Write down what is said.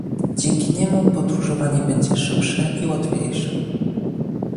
Dzięki niemu podróżowanie będzie szybsze i łatwiejsze